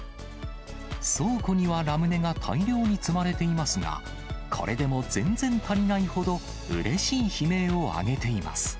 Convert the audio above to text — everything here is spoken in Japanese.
倉庫にはラムネが大量に積まれていますが、これでも全然足りないほど、うれしい悲鳴を上げています。